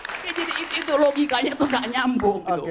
oke jadi itu logikanya tuh gak nyambung